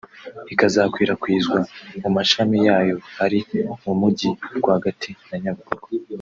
ikazikwirakwiza mu mashami yayo ari mu Mujyi rwagati na Nyabugogo